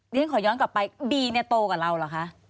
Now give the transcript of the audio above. ฉันขอย้อนกลับไปบีเนี่ยโตกับเราเหรอคะ